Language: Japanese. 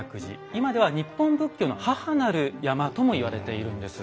今では「日本仏教の母なる山」とも言われているんです。